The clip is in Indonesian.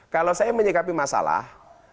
kalau saya menyikapi masalah